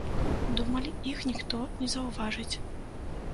Думалі, іх ніхто не заўважыць.